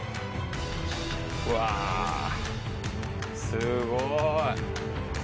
うわすごい。